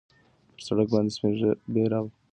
پر سړک باندې سپین بیرغ رپېده.